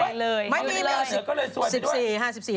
ไม่มีไม่เอาเหนือก็เลยสวยด้วย